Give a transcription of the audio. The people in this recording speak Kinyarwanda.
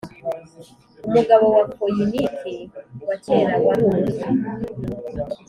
Umugabo wa Foyinike wa kera wari umutwe